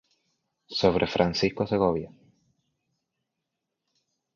Sobre Francisco Segovia